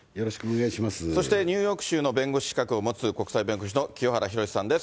そして、ニューヨーク州の弁護士資格を持つ国際弁護士の清原博さんです。